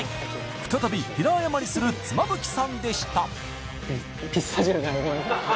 再び平謝りする妻夫木さんでした